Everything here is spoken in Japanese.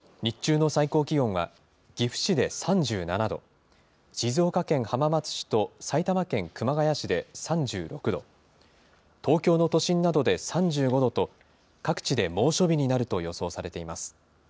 きょうは東日本や西日本を中心に、きのうより気温が上がる見込みで、日中の最高気温は、岐阜市で３７度、静岡県浜松市と埼玉県熊谷市で３６度、東京の都心などで３５度と、各地で猛暑日になると予想されています。